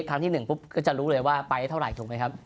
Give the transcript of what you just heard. ครั้งที่๑ปุ๊บก็จะรู้เลยว่าไปเท่าไหร่ถูกไหมครับ